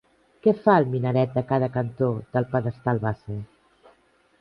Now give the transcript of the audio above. Què fa el minaret de cada cantó del pedestal base?